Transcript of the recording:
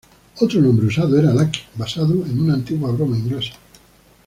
Otro nombre usado era Lucky, basado en una antigua broma inglesa.